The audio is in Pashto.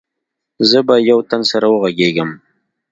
زه به يو تن سره وغږېږم.